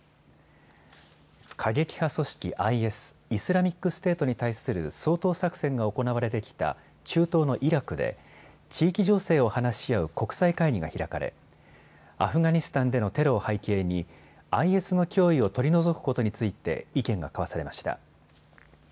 過激派組織ＩＳ・イスラミックステートに対する掃討作戦が行われてきた中東のイラクで地域情勢を話し合う国際会議が開かれアフガニスタンでのテロを背景にＩＳの脅威を取り除くことについて意見が交わされました。